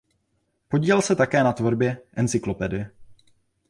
Podílel se také na tvorbě "Encyklopedie".